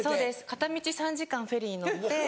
片道３時間フェリー乗って。